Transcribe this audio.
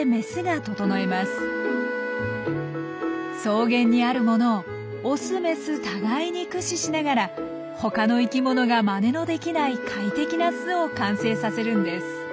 草原にあるものをオスメス互いに駆使しながらほかの生きものがまねのできない快適な巣を完成させるんです。